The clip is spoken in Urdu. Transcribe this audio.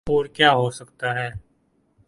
اورکیا ہوسکتاہے؟